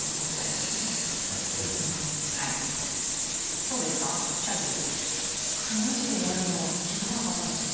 「く」の字でやるのは気付かなかったですね。